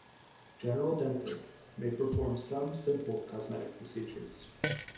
General dentists may perform some simple cosmetic procedures.